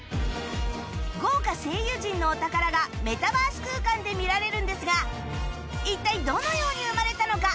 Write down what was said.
豪華声優陣のお宝がメタバース空間で見られるんですが一体どのように生まれたのか？